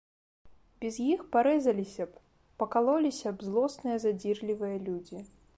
Без іх парэзаліся б, пакалоліся б злосныя, задзірлівыя людзі.